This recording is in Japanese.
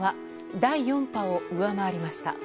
第４波を上回りました。